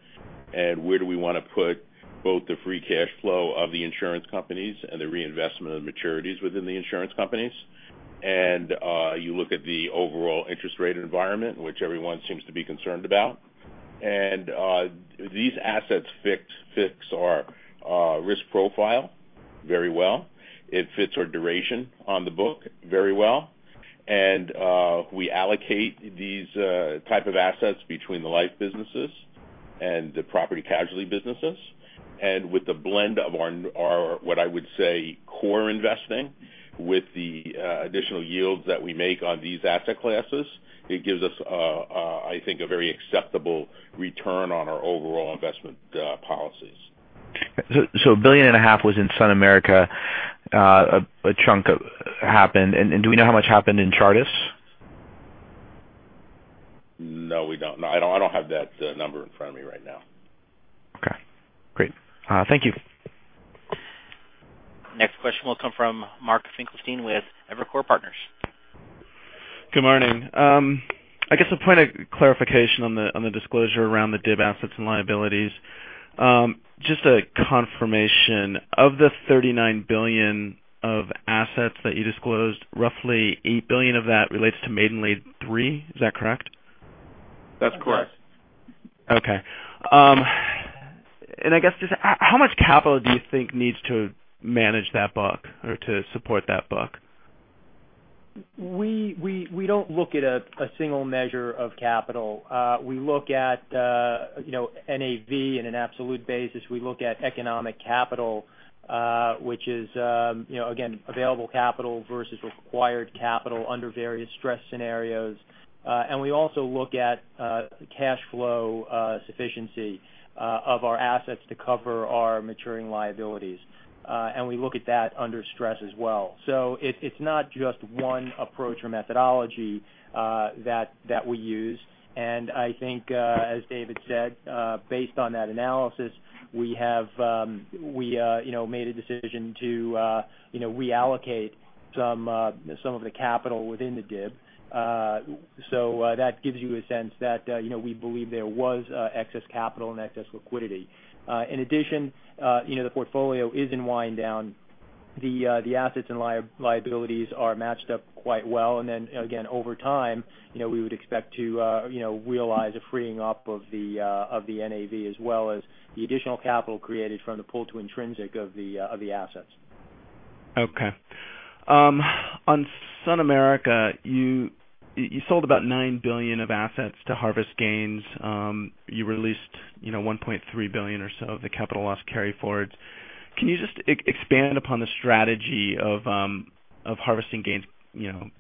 and where do we want to put both the free cash flow of the insurance companies and the reinvestment of maturities within the insurance companies. You look at the overall interest rate environment, which everyone seems to be concerned about. These assets fix our risk profile very well. It fits our duration on the book very well. We allocate these type of assets between the life businesses and the property casualty businesses. With the blend of our, what I would say, core investing with the additional yields that we make on these asset classes, it gives us, I think, a very acceptable return on our overall investment policies. A billion and a half was in SunAmerica, a chunk happened. Do we know how much happened in Chartis? No, we don't. I don't have that number in front of me right now. Okay, great. Thank you. Next question will come from Mark Finkelstein with Evercore Partners. Good morning. I guess a point of clarification on the disclosure around the DIB assets and liabilities. Just a confirmation, of the $39 billion of assets that you disclosed, roughly $8 billion of that relates to Maiden Lane III. Is that correct? That's correct. Okay. I guess, just how much capital do you think needs to manage that book or to support that book? We don't look at a single measure of capital. We look at NAV in an absolute basis. We look at economic capital which is again, available capital versus required capital under various stress scenarios. We also look at cash flow sufficiency of our assets to cover our maturing liabilities. We look at that under stress as well. It's not just one approach or methodology that we use. I think as David said based on that analysis, we made a decision to reallocate some of the capital within the DIB. That gives you a sense that we believe there was excess capital and excess liquidity. In addition the portfolio is in wind down. The assets and liabilities are matched up quite well. Then again, over time, we would expect to realize a freeing up of the NAV as well as the additional capital created from the pull-to-intrinsic of the assets. Okay. On SunAmerica, you sold about $9 billion of assets to harvest gains. You released $1.3 billion or so of the capital loss carry forwards. Can you just expand upon the strategy of harvesting gains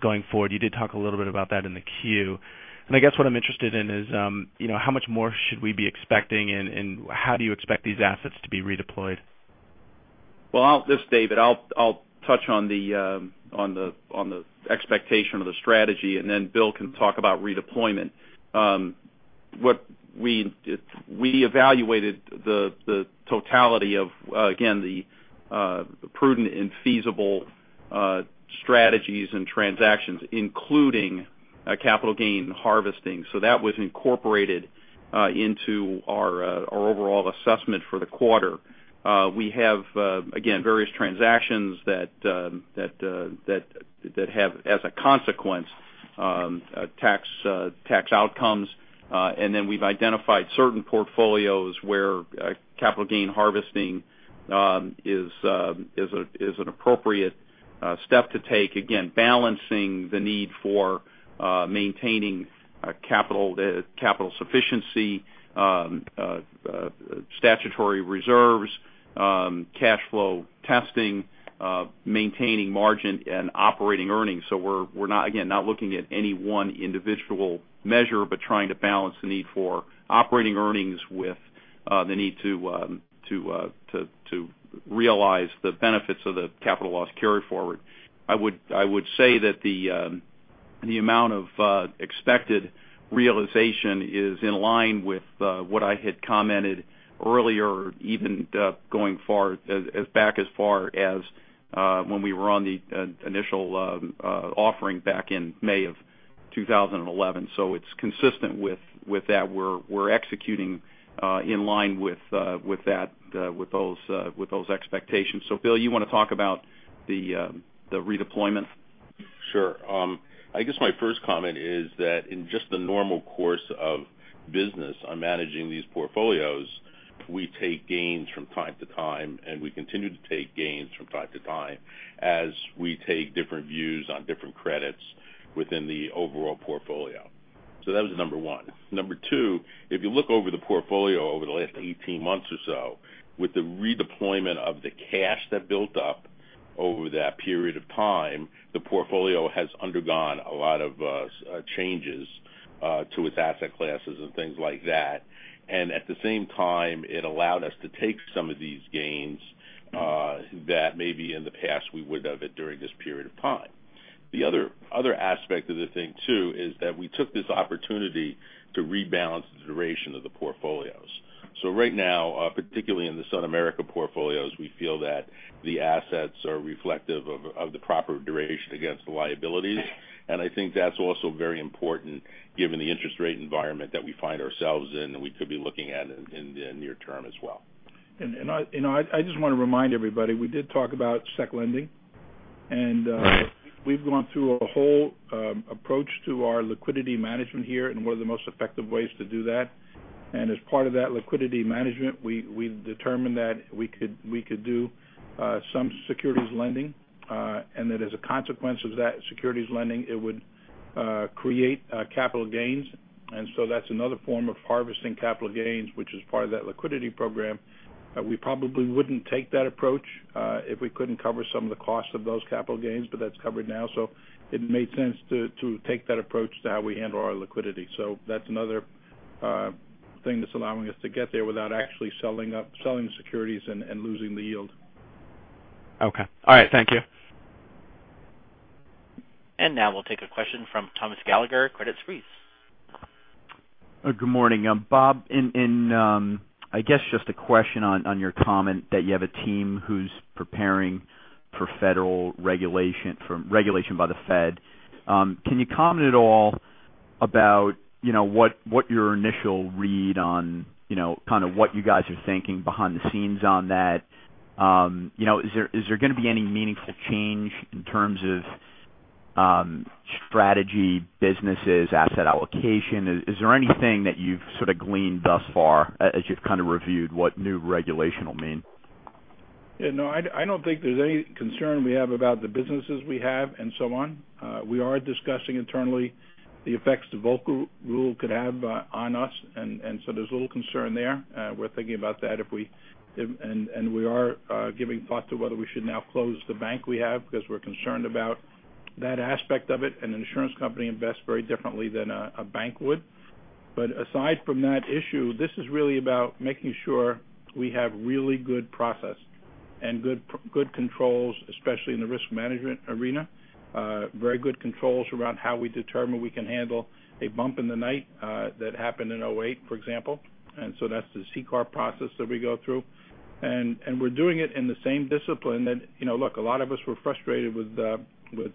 going forward? You did talk a little bit about that in the Form 10-Q. I guess what I'm interested in is how much more should we be expecting and how do you expect these assets to be redeployed? Well, this is David. I'll touch on the expectation or the strategy, then Bill can talk about redeployment. We evaluated the totality of, again, the prudent and feasible strategies and transactions, including capital gain harvesting. That was incorporated into our overall assessment for the quarter. We have again, various transactions that have as a consequence tax outcomes. Then we've identified certain portfolios where capital gain harvesting is an appropriate step to take. Again, balancing the need for maintaining capital sufficiency, statutory reserves, cash flow testing, maintaining margin and operating earnings. We're, again, not looking at any one individual measure, but trying to balance the need for operating earnings with the need to realize the benefits of the capital loss carry forward. I would say that the amount of expected realization is in line with what I had commented earlier, even going back as far as when we were on the initial offering back in May of 2011. It's consistent with that. We're executing in line with those expectations. Bill, you want to talk about the redeployment? Sure. I guess my first comment is that in just the normal course of business on managing these portfolios, we take gains from time to time, and we continue to take gains from time to time as we take different views on different credits within the overall portfolio. That was number one. Number two, if you look over the portfolio over the last 18 months or so, with the redeployment of the cash that built up over that period of time, the portfolio has undergone a lot of changes to its asset classes and things like that. At the same time, it allowed us to take some of these gains that maybe in the past we wouldn't have during this period of time. The other aspect of the thing, too, is that we took this opportunity to rebalance the duration of the portfolios. Right now, particularly in the SunAmerica portfolios, we feel that the assets are reflective of the proper duration against the liabilities. I think that's also very important given the interest rate environment that we find ourselves in and we could be looking at in the near term as well. I just want to remind everybody, we did talk about Securities Lending, and we've gone through a whole approach to our liquidity management here and one of the most effective ways to do that. As part of that liquidity management, we determined that we could do some Securities Lending, and that as a consequence of that Securities Lending, it would create capital gains. That's another form of harvesting capital gains, which is part of that liquidity program, that we probably wouldn't take that approach if we couldn't cover some of the costs of those capital gains. That's covered now, so it made sense to take that approach to how we handle our liquidity. That's another thing that's allowing us to get there without actually selling the securities and losing the yield. Okay. All right, thank you. Now we'll take a question from Thomas Gallagher, Credit Suisse. Good morning. Bob, I guess just a question on your comment that you have a team who's preparing for federal regulation, for regulation by the Fed. Can you comment at all about what your initial read on kind of what you guys are thinking behind the scenes on that? Is there going to be any meaningful change in terms of strategy, businesses, asset allocation? Is there anything that you've sort of gleaned thus far as you've kind of reviewed what new regulation will mean? No, I don't think there's any concern we have about the businesses we have and so on. We are discussing internally the effects the Volcker Rule could have on us, there's a little concern there. We're thinking about that. We are giving thought to whether we should now close the bank we have because we're concerned about that aspect of it. An insurance company invests very differently than a bank would. Aside from that issue, this is really about making sure we have really good process and good controls, especially in the risk management arena. Very good controls around how we determine we can handle a bump in the night that happened in 2008, for example. That's the CCAR process that we go through. We're doing it in the same discipline that, look, a lot of us were frustrated with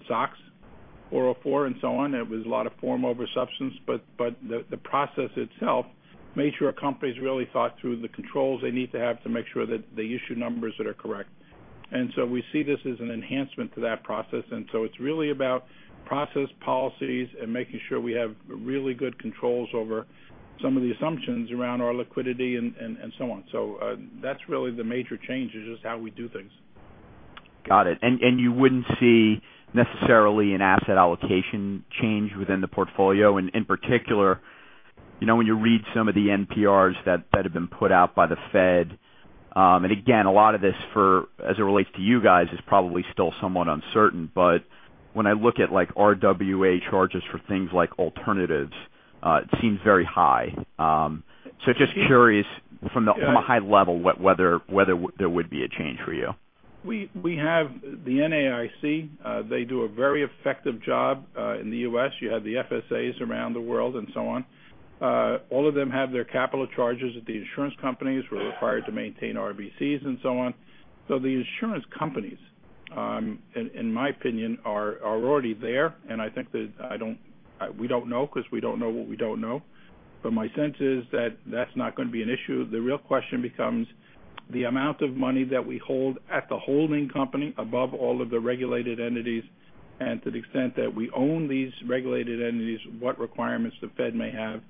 SOX 404 and so on. It was a lot of form over substance. The process itself made sure companies really thought through the controls they need to have to make sure that they issue numbers that are correct. We see this as an enhancement to that process. It's really about process policies and making sure we have really good controls over some of the assumptions around our liquidity and so on. That's really the major change, is just how we do things. Got it. You wouldn't see necessarily an asset allocation change within the portfolio? When you read some of the NPRs that have been put out by the Fed, a lot of this as it relates to you guys is probably still somewhat uncertain, when I look at RWA charges for things like alternatives, it seems very high. Just curious from a high level whether there would be a change for you. We have the NAIC. They do a very effective job in the U.S. The FSAs around the world and so on. They have their capital charges that the insurance companies were required to maintain RBCs and so on. The insurance companies, in my opinion, are already there. We don't know because we don't know what we don't know. My sense is that that's not going to be an issue. The real question becomes the amount of money that we hold at the holding company above all of the regulated entities, and to the extent that we own these regulated entities, what requirements the Fed may have.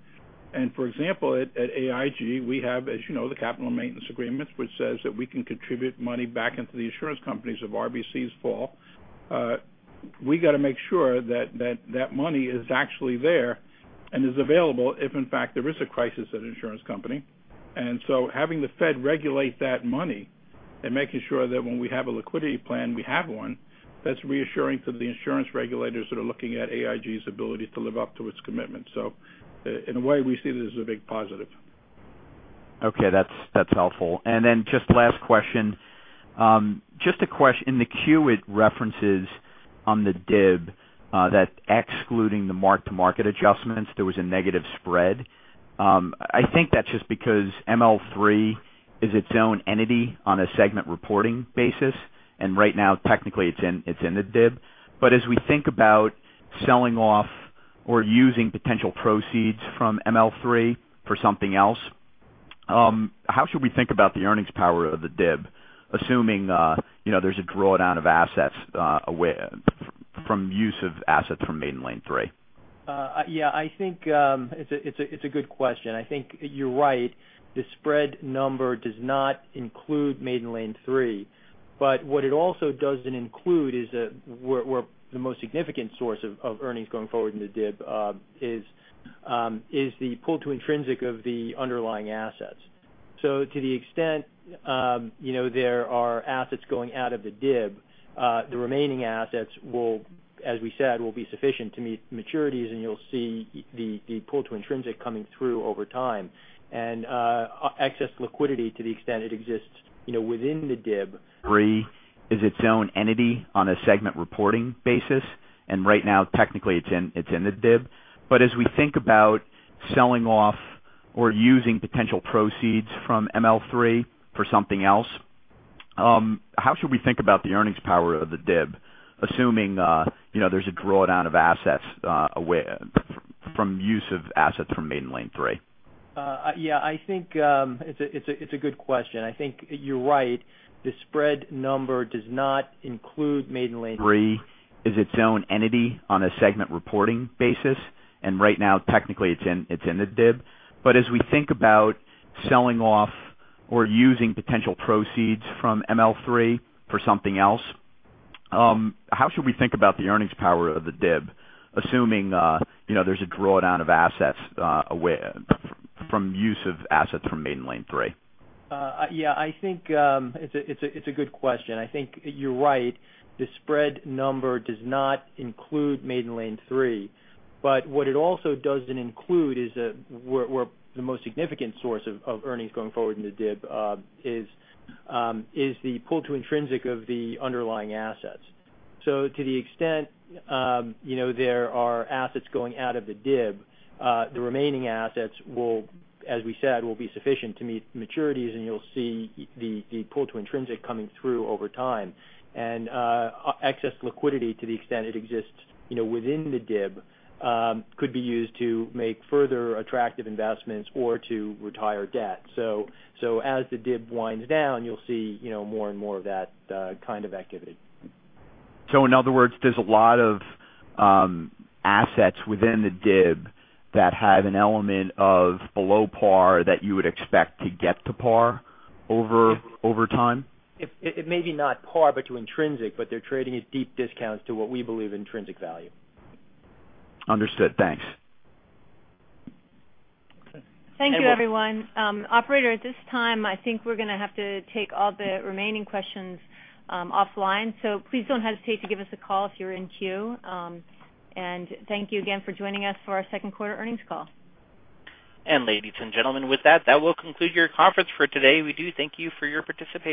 For example, at AIG, we have, as you know, the capital maintenance agreements, which says that we can contribute money back into the insurance companies if RBCs fall. We got to make sure that that money is actually there and is available if, in fact, there is a crisis at an insurance company. Having the Fed regulate that money and making sure that when we have a liquidity plan, we have one that's reassuring to the insurance regulators that are looking at AIG's ability to live up to its commitment. In a way, we see it as a big positive. Okay. That's helpful. Just last question. In the Q, it references on the DIB that excluding the mark-to-market adjustments, there was a negative spread. ML3 is its own entity on a segment reporting basis, and right now, technically it's in the DIB. As we think about selling off or using potential proceeds from ML3 for something else, how should we think about the earnings power of the DIB, assuming there's a drawdown of assets from use of assets from Maiden Lane III? Yeah, I think it's a good question. I think you're right. The spread number does not include Maiden Lane III. What it also doesn't include is where the most significant source of earnings going forward in the DIB is the pull-to-intrinsic of the underlying assets. To the extent there are assets going out of the DIB, the remaining assets will, as we said, will be sufficient to meet maturities, and you'll see the pull to intrinsic coming through over time. Excess liquidity to the extent it exists within the DIB. Maiden Lane III is its own entity on a segment reporting basis, and right now, technically it's in the DIB. As we think about selling off or using potential proceeds from ML3 for something else, how should we think about the earnings power of the DIB, assuming there's a drawdown of assets from use of assets from Maiden Lane III? Yeah, I think it's a good question. I think you're right. The spread number does not include Maiden Lane III. Maiden Lane III is its own entity on a segment reporting basis, and right now, technically it's in the DIB. As we think about selling off or using potential proceeds from ML3 for something else, how should we think about the earnings power of the DIB, assuming there's a drawdown of assets from use of assets from Maiden Lane III? I think it's a good question. I think you're right. The spread number does not include Maiden Lane III. What it also doesn't include is where the most significant source of earnings going forward in the DIB is the pull-to-intrinsic of the underlying assets. To the extent there are assets going out of the DIB, the remaining assets will, as we said, will be sufficient to meet maturities, and you'll see the pull-to-intrinsic coming through over time. Excess liquidity to the extent it exists within the DIB could be used to make further attractive investments or to retire debt. As the DIB winds down, you'll see more and more of that kind of activity. In other words, there's a lot of assets within the DIB that have an element of below par that you would expect to get to par over time? It may be not par, but to intrinsic, but they're trading at deep discounts to what we believe intrinsic value. Understood. Thanks. Okay. Thank you, everyone. Operator, at this time, I think we're going to have to take all the remaining questions offline. Please don't hesitate to give us a call if you're in queue. Thank you again for joining us for our second quarter earnings call. Ladies and gentlemen, with that will conclude your conference for today. We do thank you for your participation.